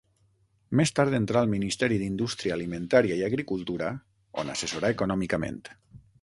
Més tard entrà al Ministeri d'Indústria Alimentària i Agricultura on assessorà econòmicament.